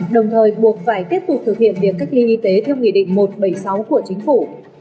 đồng thời buộc phải tiếp tục thực hiện việc cách ly y tế theo nghị định một trăm bảy mươi sáu của chính phủ